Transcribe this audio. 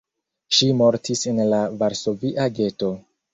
Ŝi mortis en la varsovia geto.